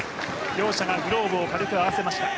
両者がグローブを軽く合わせました。